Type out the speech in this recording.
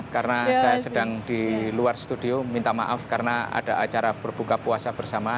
karena saya sedang di luar studio minta maaf karena ada acara berbuka puasa bersama